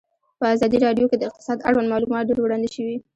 په ازادي راډیو کې د اقتصاد اړوند معلومات ډېر وړاندې شوي.